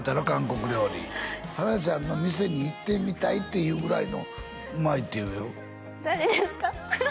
韓国料理花ちゃんの店に行ってみたいっていうぐらいのうまいっていうよ誰ですか？